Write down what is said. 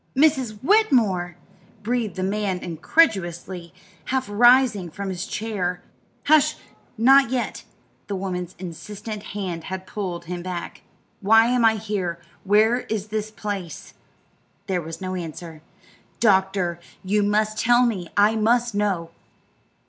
"Mrs. Whitmore!" breathed the man incredulously, half rising from his chair. "Hush! Not yet!" The woman's insistent hand had pulled him back. "Why am I here? Where is this place?" There was no answer. "Doctor, you must tell me. I must know."